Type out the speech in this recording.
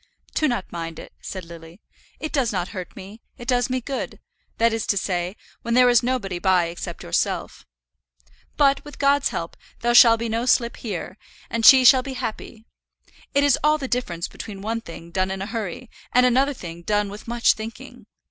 "Do not mind it," said Lily, "it does not hurt me, it does me good; that is to say, when there is nobody by except yourself. But, with God's help, there shall be no slip here, and she shall be happy. It is all the difference between one thing done in a hurry, and another done with much thinking.